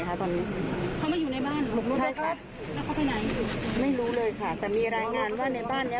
บอกเรื่องนี้ไงจริงจริงแล้วถ้าหมายจับออกมาแล้วน่ะ